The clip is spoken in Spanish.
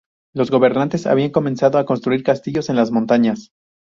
Los gobernantes habían comenzado a construir castillos en las montañas.